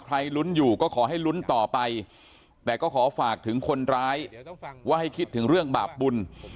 ลุ้นอยู่ก็ขอให้ลุ้นต่อไปแต่ก็ขอฝากถึงคนร้ายว่าให้คิดถึงเรื่องบาปบุญ